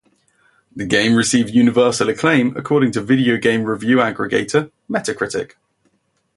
The game received "universal acclaim" according to video game review aggregator Metacritic.